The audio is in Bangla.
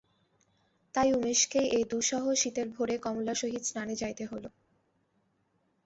তাই উমেশকেই এই দুঃসহ শীতের ভোরে কমলার সহিত স্নানে যাইতে হইল।